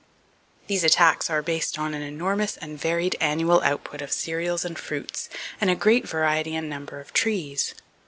These attacks are based upon an enormous and varied annual output of cereals and fruits, and a great variety and number of trees.